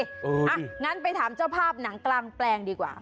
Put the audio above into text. อย่างนั้นไปถามเจ้าภาพหนังกลางแปลงดีกว่า